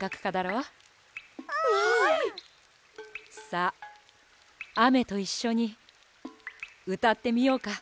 さああめといっしょにうたってみようか。